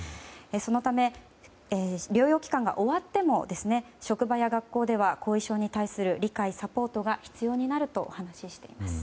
そのため、療養期間が終わっても職場や学校では後遺症に対する理解やサポートが必要になるとお話ししています。